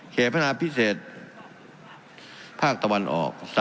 พัฒนาพิเศษภาคตะวันออก